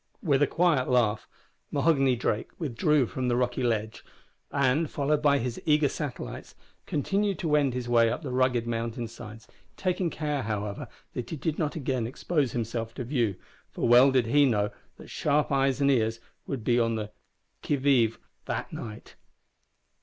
With a quiet laugh, Mahoghany Drake withdrew from the rocky ledge, and, followed by his eager satellites, continued to wend his way up the rugged mountain sides, taking care, however, that he did not again expose himself to view, for well did he know that sharp eyes and ears would be on the qui vive that night.